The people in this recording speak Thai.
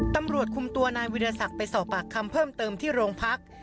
ตำรวจคุมตัวนายวิทยาศักดิ์ไปสอบปากคำเพิ่มเติมที่โรงพัก